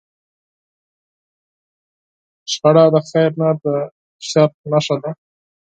جګړه د خیر نه، د شر نښه ده